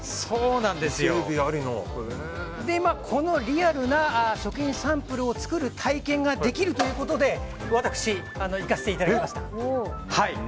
このリアルな食品サンプルを作る体験ができるということで私、行かせていただきました。